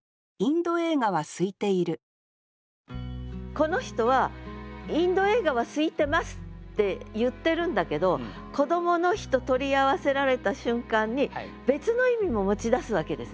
この人は「インド映画は空いてます」って言ってるんだけど「こどもの日」と取り合わせられた瞬間に別の意味も持ちだすわけですね。